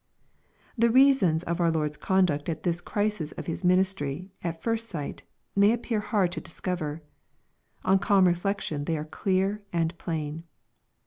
The reasons of our Lord's conduct at this crisis of His ministry, at first sight, may appear hard to discover. On calm reflection they are clear and plain.